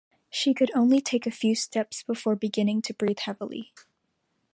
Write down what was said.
She could only take a few steps before beginning to breathe heavily.